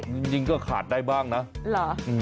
จริงก็ขาดได้บ้างนะเหรอ